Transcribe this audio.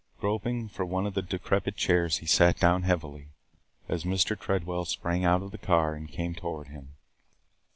Groping for one of the decrepit chairs he sat down heavily, as Mr. Tredwell sprang out of the car and came toward him.